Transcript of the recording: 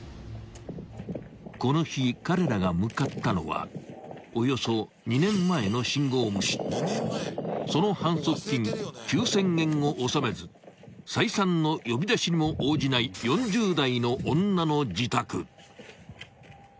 ［この日彼らが向かったのはおよそ２年前の信号無視その反則金９，０００円を納めず再三の呼び出しにも応じない４０代の女の自宅］